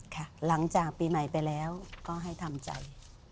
ค่ะหลังจากปีใหม่ไปแล้วก็ให้ทำใจ